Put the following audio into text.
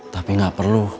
tapi nggak perlu